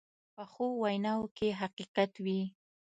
پخو ویناوو کې حقیقت وي